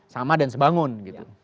sama dan sebangun gitu